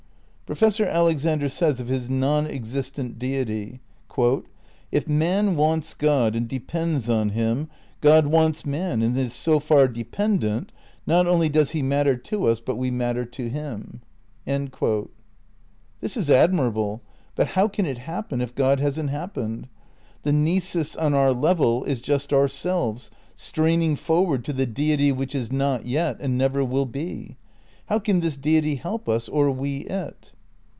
Professor Alexander says of his non existent Deity, "If man wants God and depends on him, God wants man and is so far dependent" ... "not only does he matter to us but we matter to him." ' This is admirable, but how can it happen, if God hasn't happened? The nisus on our level is just our selves, straining forward to the Deity which is not yet, and never will be. How can this Deity help us, or we it?